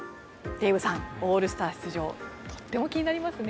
デーブさん、オールスター出場とっても気になりますね。